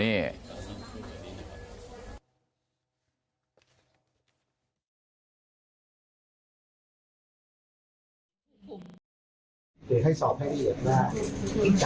เดี๋ยวให้สอบให้เรียบนะ